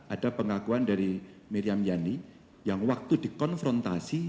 ada pengakuan dari miriam yani yang waktu dikonfrontasi